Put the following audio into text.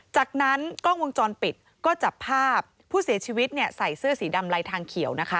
จากนั้นกล้องวงจรปิดก็จับภาพผู้เสียชีวิตใส่เสื้อสีดำลายทางเขียวนะคะ